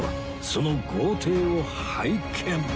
その豪邸を拝見